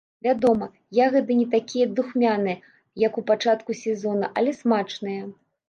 Вядома, ягады не такія духмяныя, як у пачатку сезона, але смачныя.